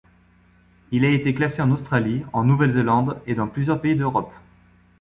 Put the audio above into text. Il a été classé en Australie, en Nouvelle-Zélande et dans plusieurs pays d'Europe.